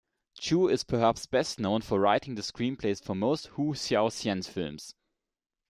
Chu is perhaps best known for writing the screenplays for most Hou Hsiao-hsien films.